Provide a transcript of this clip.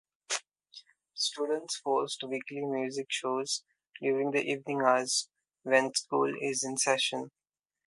Students host weekly music shows during the evening hours when school is in session.